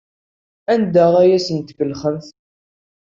Anda ay asen-tkellxemt?